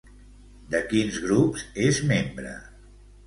De quins grups és membre?